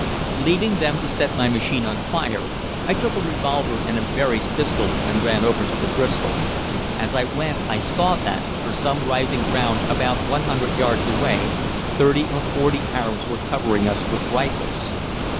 Leaving them to set my machine on fire, I took a revolver and a Verey's pistol and ran over to the Bristol. As I went I saw that, from some rising ground about 100 yards away, thirty or forty Arabs were covering us with rifles.